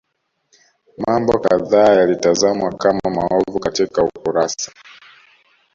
Mambo kadhaa yalitazamwa kama maovu katika ukurasa